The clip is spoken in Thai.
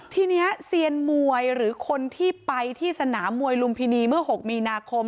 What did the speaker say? ทีนี้เซียนมวยหรือคนที่ไปที่สนามมวยลุมพินีเมื่อ๖มีนาคม